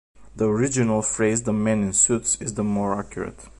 The original phrase 'the men in suits' is the more accurate.